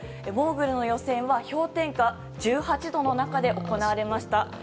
モーグルの予選は氷点下１８度の中で行われました。